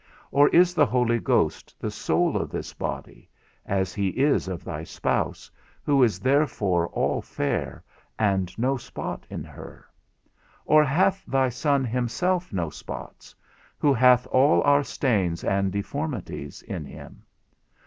or is the Holy Ghost the soul of this body, as he is of thy spouse, who is therefore all fair, and no spot in her? or hath thy Son himself no spots, who hath all our stains and deformities in him?